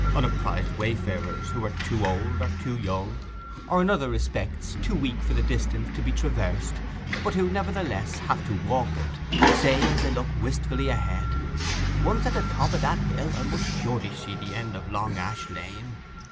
Unapprized wayfarers who are too old, or too young, or in other respects too weak for the distance to be traversed, but who, nevertheless, have to walk it, say, as they look wistfully ahead, 'Once at the top of that hill, and I must surely see the end of Long Ash Lane!